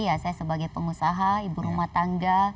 ya saya sebagai pengusaha ibu rumah tangga